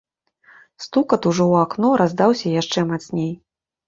Стукат, ужо ў акно, раздаўся яшчэ мацней.